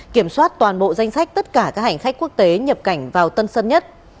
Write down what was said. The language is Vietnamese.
kiểm soát toàn bộ danh sách tất cả các hành khách quốc tế nhập cảnh vào tân sơn nhất